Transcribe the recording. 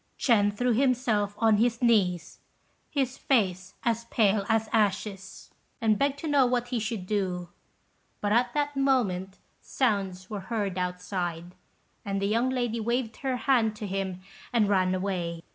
Ch'ên threw himself on his knees, his face as pale as ashes, and begged to know what he should do; but at that moment sounds were heard outside, and the young lady waved her hand to him, and ran away.